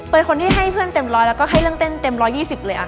เป็นคนที่ให้เพื่อนเต็มร้อยแล้วก็ให้เรื่องเต้นเต็ม๑๒๐เลยค่ะ